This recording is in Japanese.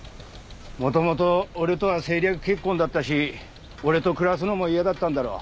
もともと俺とは政略結婚だったし俺と暮らすのも嫌だったんだろう。